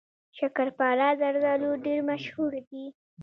شکرپاره زردالو ډیر مشهور دي.